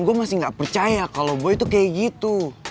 gue masih gak percaya kalo boy tuh kayak gitu